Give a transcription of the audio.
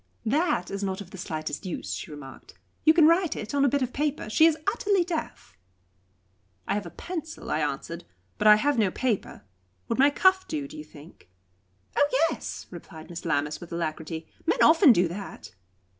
"That is not of the slightest use," she remarked. "You can write it on a bit of paper. She is utterly deaf." "I have a pencil," I answered, "but I have no paper. Would my cuff do, do you think?" "Oh yes!" replied Miss Lammas, with alacrity; "men often do that."